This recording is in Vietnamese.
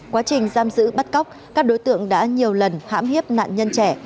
quá trình giam giữ bắt cóc các đối tượng đã nhiều lần hãm hiếp nạn nhân trẻ